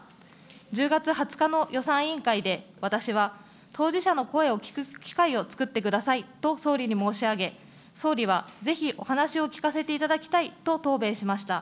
１０月２０日の予算委員会で、私は当事者の声を聞く機会を作ってくださいと総理に申し上げ、総理はぜひお話を聞かせていただきたいと答弁しました。